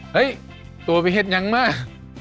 เฮ้ตัวไอเห็ดยังมาก